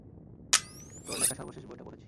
তোর লেখা সর্বশেষ বইটা পড়েছি।